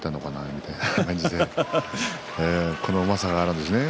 みたいな感じでこのうまさがあるんですね。